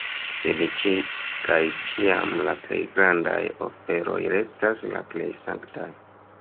Sed ĉie kaj ĉiam la plej grandaj oferoj restas la plej sanktaj.